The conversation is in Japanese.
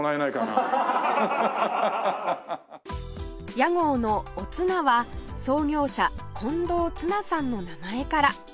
屋号の「おつな」は創業者近藤つなさんの名前から